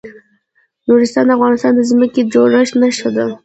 نورستان د افغانستان د ځمکې د جوړښت نښه ده.